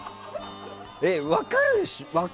分かるでしょ？